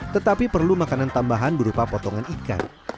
tetapi perlu makanan tambahan berupa potongan ikan